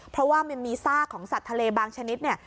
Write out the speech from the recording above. เพราะว่ามันมีซากของสัตว์ทะเลบางชนิดเนี่ย